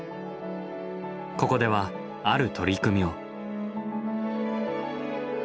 ここではある取り組みを。